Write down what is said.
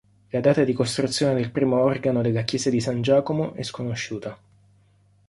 La data di costruzione del primo organo della chiesa di San Giacomo è sconosciuta.